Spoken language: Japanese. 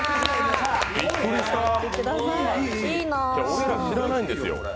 俺ら、知らないんですよ。